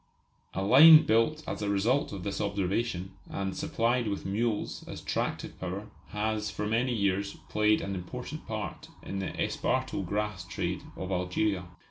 A line built as a result of this observation, and supplied with mules as tractive power, has for many years played an important part in the esparto grass trade of Algeria.